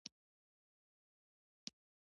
د مظلوم ملاتړ کول ایماني دنده ده.